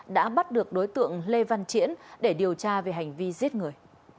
đã bắt được đối tượng lê văn triển để điều tra về hành vi giết người